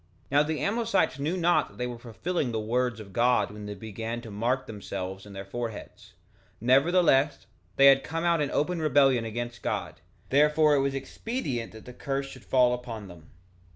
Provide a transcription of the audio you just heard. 3:18 Now the Amlicites knew not that they were fulfilling the words of God when they began to mark themselves in their foreheads; nevertheless they had come out in open rebellion against God; therefore it was expedient that the curse should fall upon them.